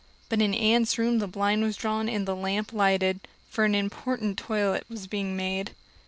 But in Anne's room the blind was drawn and the lamp lighted, for an important toilet was being made.